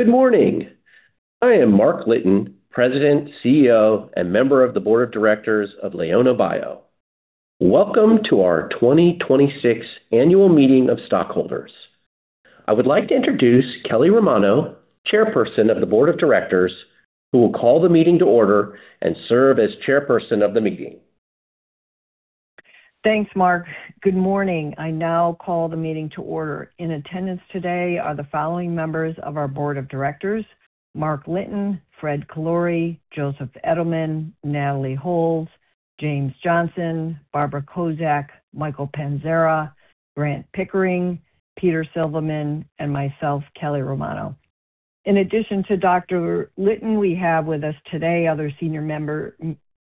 Good morning. I am Mark Litton, President, CEO, and member of the Board of Directors of LeonaBio. Welcome to our 2026 Annual Meeting of Stockholders. I would like to introduce Kelly Romano, Chairperson of the Board of Directors, who will call the meeting to order and serve as Chairperson of the meeting. Thanks, Mark. Good morning. I now call the meeting to order. In attendance today are the following members of our Board of Directors: Mark Litton, Fred Callori, Joseph Edelman, Natalie Holles, James Johnson, Barbara Kosacz, Michael Panzara, Grant Pickering, Peter Silverman, and myself, Kelly Romano. In addition to Dr. Litton, we have with us today other senior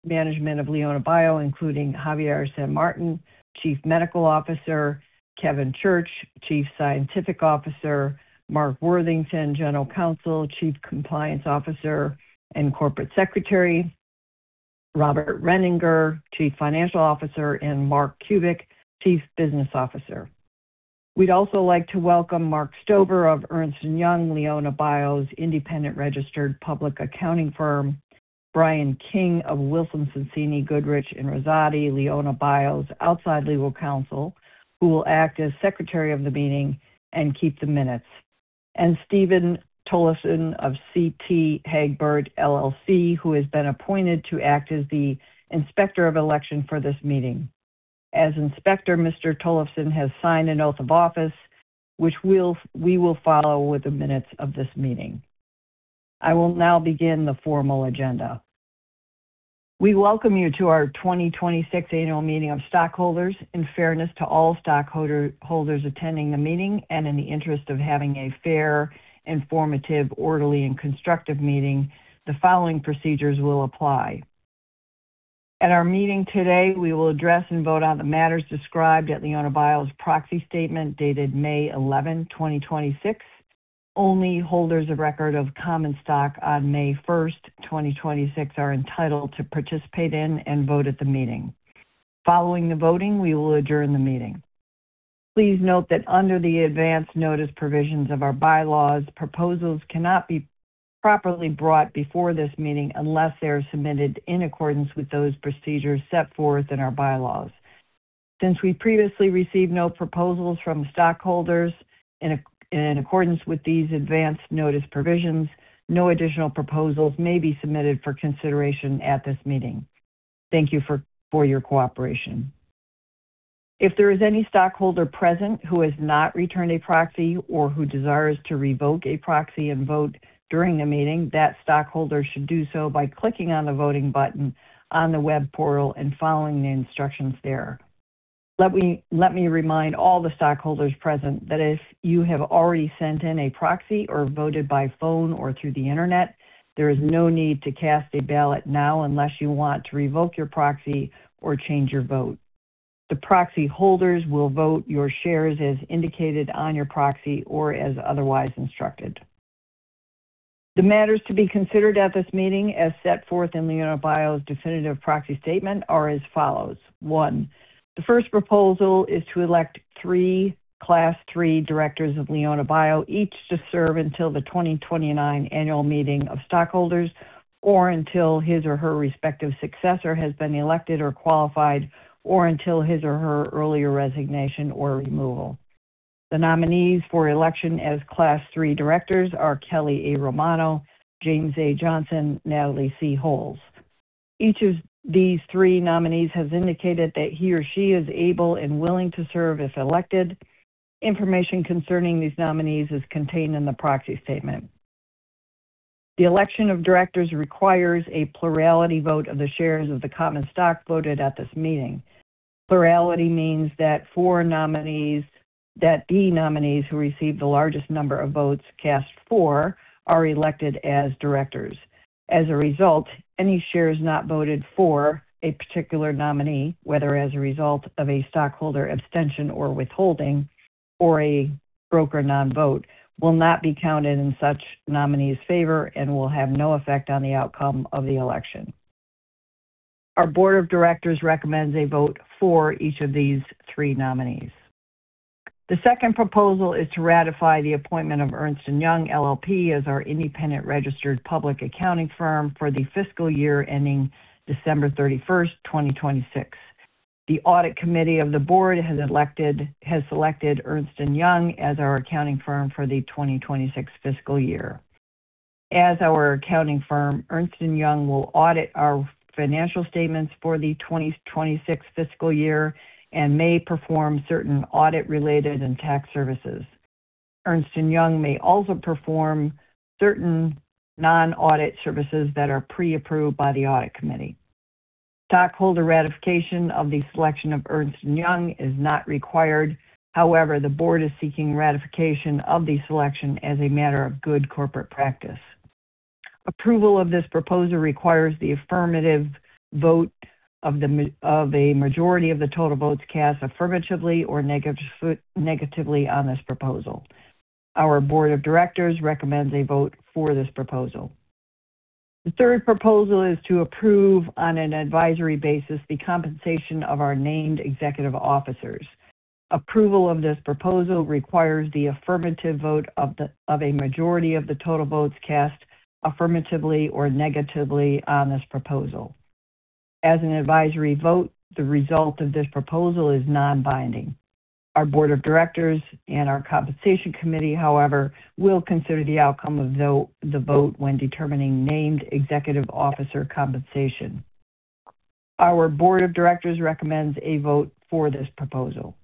management of LeonaBio, including Javier San Martin, Chief Medical Officer, Kevin Church, Chief Scientific Officer, Mark Worthington, General Counsel, Chief Compliance Officer, and Corporate Secretary, Robert Renninger, Chief Financial Officer, and Mark Kubik, Chief Business Officer. We'd also like to welcome Mark Steber of Ernst & Young, LeonaBio's independent registered public accounting firm, Bryan King of Wilson Sonsini Goodrich & Rosati, LeonaBio's outside legal counsel, who will act as Secretary of the meeting and keep the minutes, and Steven Tollefson of CT Hagberg LLC, who has been appointed to act as the Inspector of Election for this meeting. As inspector, Mr. Tollefson has signed an oath of office, which we will follow with the minutes of this meeting. I will now begin the formal agenda. We welcome you to our 2026 Annual Meeting of Stockholders. In fairness to all stockholders attending the meeting and in the interest of having a fair, informative, orderly, and constructive meeting, the following procedures will apply. At our meeting today, we will address and vote on the matters described at LeonaBio's proxy statement dated May 11, 2026. Only holders of record of common stock on May 1st, 2026, are entitled to participate in and vote at the meeting. Following the voting, we will adjourn the meeting. Please note that under the advance notice provisions of our bylaws, proposals cannot be properly brought before this meeting unless they are submitted in accordance with those procedures set forth in our bylaws. Since we previously received no proposals from stockholders in accordance with these advance notice provisions, no additional proposals may be submitted for consideration at this meeting. Thank you for your cooperation. If there is any stockholder present who has not returned a proxy or who desires to revoke a proxy and vote during the meeting, that stockholder should do so by clicking on the voting button on the web portal and following the instructions there. Let me remind all the stockholders present that if you have already sent in a proxy or voted by phone or through the Internet, there is no need to cast a ballot now unless you want to revoke your proxy or change your vote. The proxy holders will vote your shares as indicated on your proxy or as otherwise instructed. The matters to be considered at this meeting, as set forth in LeonaBio's definitive proxy statement are as follows. One, the first proposal is to elect three Class III directors of LeonaBio, each to serve until the 2029 Annual Meeting of Stockholders or until his or her respective successor has been elected or qualified, or until his or her earlier resignation or removal. The nominees for election as Class III directors are Kelly A. Romano, James A. Johnson, Natalie C. Holles. Each of these three nominees has indicated that he or she is able and willing to serve if elected. Information concerning these nominees is contained in the proxy statement. The Election of Directors requires a plurality vote of the shares of the common stock voted at this meeting. Plurality means that the nominees who receive the largest number of votes cast for are elected as directors. As a result, any shares not voted for a particular nominee, whether as a result of a stockholder abstention or withholding, or a broker non-vote, will not be counted in such nominee's favor and will have no effect on the outcome of the election. Our Board of Directors recommends a vote for each of these three nominees. The second proposal is to ratify the appointment of Ernst & Young LLP as our independent registered public accounting firm for the fiscal year ending December 31st, 2026. The audit committee of the board has selected Ernst & Young as our accounting firm for the 2026 fiscal year. As our accounting firm, Ernst & Young will audit our financial statements for the 2026 fiscal year and may perform certain audit-related and tax services. Ernst & Young may also perform certain non-audit services that are pre-approved by the audit committee. Stockholder ratification of the selection of Ernst & Young is not required. However, the board is seeking ratification of the selection as a matter of good corporate practice. Approval of this proposal requires the affirmative vote of a majority of the total votes cast affirmatively or negatively on this proposal. Our Board of Directors recommends a vote for this proposal. The third proposal is to approve on an advisory basis the compensation of our named executive officers. Approval of this proposal requires the affirmative vote of a majority of the total votes cast affirmatively or negatively on this proposal. As an advisory vote, the result of this proposal is non-binding. Our Board of Directors and our compensation committee, however, will consider the outcome of the vote when determining named executive officer compensation. Our Board of Directors recommends a vote for this proposal.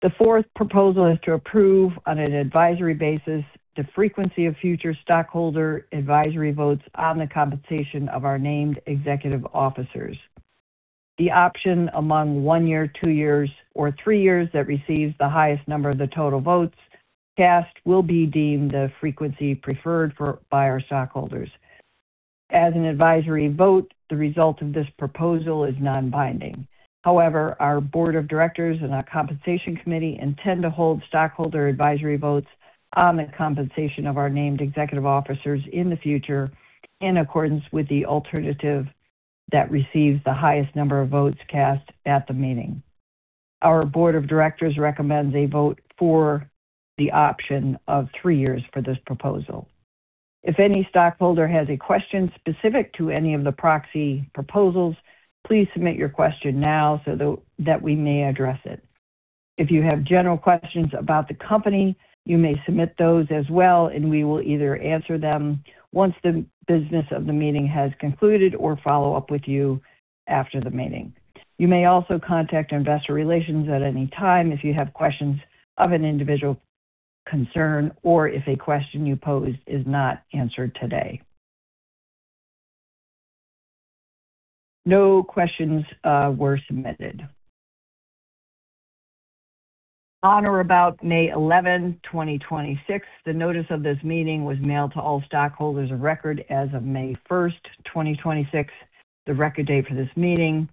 The fourth proposal is to approve on an advisory basis the frequency of future stockholder advisory votes on the compensation of our named executive officers. The option among one year, two years, or three years that receives the highest number of the total votes cast will be deemed the frequency preferred by our stockholders. As an advisory vote, the result of this proposal is non-binding. However, our Board of Directors and our compensation committee intend to hold stockholder advisory votes on the compensation of our named executive officers in the future in accordance with the alternative that receives the highest number of votes cast at the meeting. Our Board of Directors recommends a vote for the option of three years for this proposal. If any stockholder has a question specific to any of the proxy proposals, please submit your question now so that we may address it. If you have general questions about the company, you may submit those as well, and we will either answer them once the business of the meeting has concluded or follow up with you after the meeting. You may also contact investor relations at any time if you have questions of an individual concern or if a question you posed is not answered today. No questions were submitted. On or about May 11, 2026, the notice of this meeting was mailed to all stockholders of record as of May 1st, 2026, the record date for this meeting.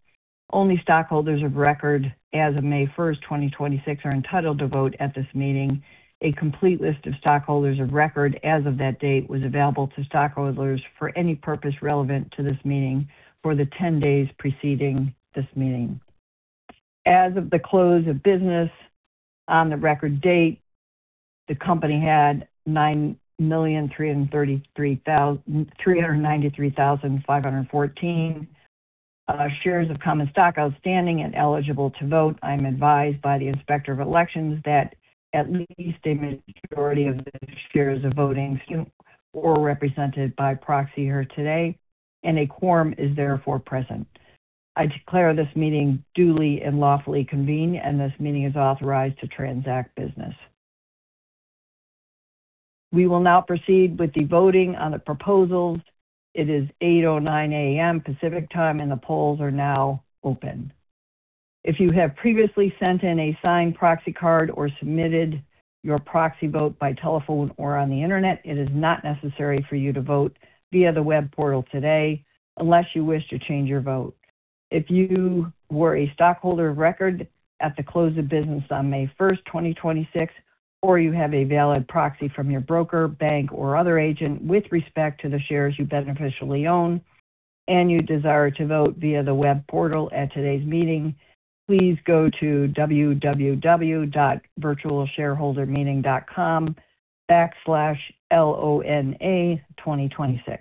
Only stockholders of record as of May 1st, 2026, are entitled to vote at this meeting. A complete list of stockholders of record as of that date was available to stockholders for any purpose relevant to this meeting for the 10 days preceding this meeting. As of the close of business on the record date, the company had 9,393,514 shares of common stock outstanding and eligible to vote. I'm advised by the Inspector of Elections that at least a majority of the shares are voting or represented by proxy here today, and a quorum is therefore present. I declare this meeting duly and lawfully convened. This meeting is authorized to transact business. We will now proceed with the voting on the proposals. It is 8:09 A.M. Pacific Time. The polls are now open. If you have previously sent in a signed proxy card or submitted your proxy vote by telephone or on the Internet, it is not necessary for you to vote via the web portal today unless you wish to change your vote. If you were a stockholder of record at the close of business on May 1st, 2026, or you have a valid proxy from your broker, bank, or other agent with respect to the shares you beneficially own and you desire to vote via the web portal at today's meeting, please go to www.virtualshareholdermeeting.com/LONA2026.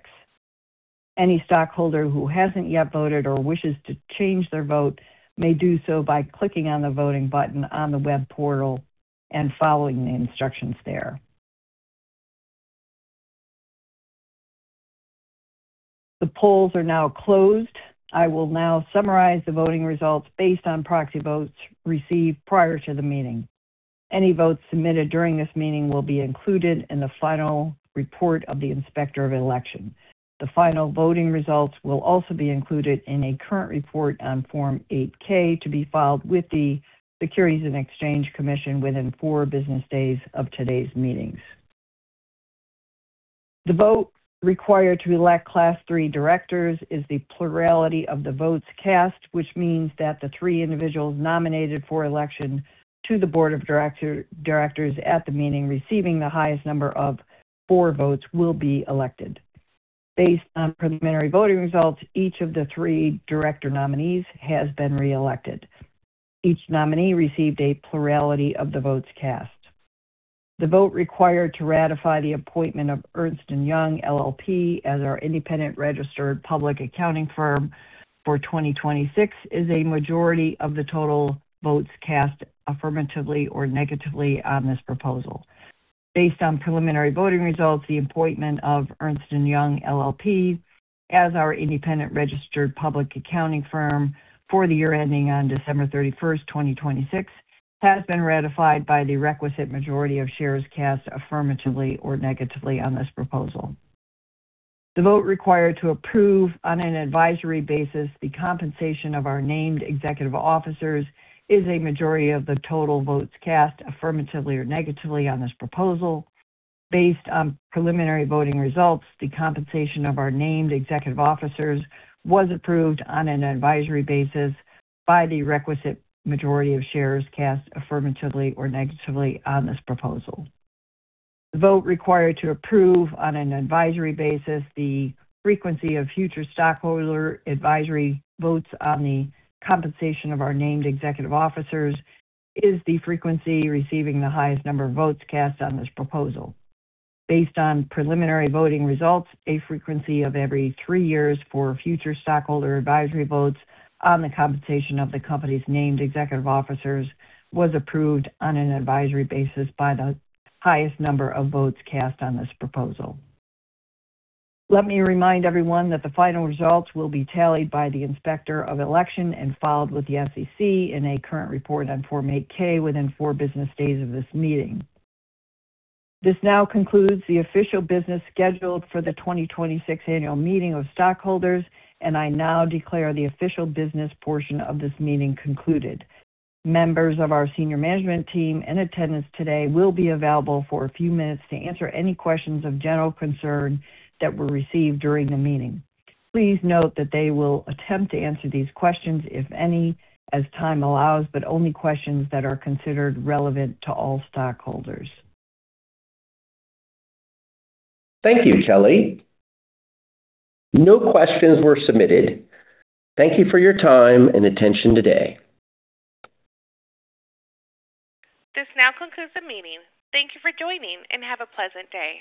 Any stockholder who hasn't yet voted or wishes to change their vote may do so by clicking on the voting button on the web portal and following the instructions there. The polls are now closed. I will now summarize the voting results based on proxy votes received prior to the meeting. Any votes submitted during this meeting will be included in the final report of the Inspector of Election. The final voting results will also be included in a current report on Form 8-K to be filed with the Securities and Exchange Commission within four business days of today's meetings. The vote required to elect Class III directors is the plurality of the votes cast, which means that the three individuals nominated for election to the Board of Directors at the meeting receiving the highest number of four votes will be elected. Based on preliminary voting results, each of the three director nominees has been reelected. Each nominee received a plurality of the votes cast. The vote required to ratify the appointment of Ernst & Young LLP as our independent registered public accounting firm for 2026 is a majority of the total votes cast affirmatively or negatively on this proposal. Based on preliminary voting results, the appointment of Ernst & Young LLP as our independent registered public accounting firm for the year ending on December 31st, 2026, has been ratified by the requisite majority of shares cast affirmatively or negatively on this proposal. The vote required to approve on an advisory basis the compensation of our named executive officers is a majority of the total votes cast affirmatively or negatively on this proposal. Based on preliminary voting results, the compensation of our named executive officers was approved on an advisory basis by the requisite majority of shares cast affirmatively or negatively on this proposal. The vote required to approve on an advisory basis the frequency of future stockholder advisory votes on the compensation of our named executive officers is the frequency receiving the highest number of votes cast on this proposal. Based on preliminary voting results, a frequency of every three years for future stockholder advisory votes on the compensation of the company's named executive officers was approved on an advisory basis by the highest number of votes cast on this proposal. Let me remind everyone that the final results will be tallied by the Inspector of Election and filed with the SEC in a current report on Form 8-K within four business days of this meeting. This now concludes the official business scheduled for the 2026 Annual Meeting of Stockholders. I now declare the official business portion of this meeting concluded. Members of our senior management team in attendance today will be available for a few minutes to answer any questions of general concern that were received during the meeting. Please note that they will attempt to answer these questions, if any, as time allows, but only questions that are considered relevant to all stockholders. Thank you, Kelly. No questions were submitted. Thank you for your time and attention today. This now concludes the meeting. Thank you for joining, and have a pleasant day.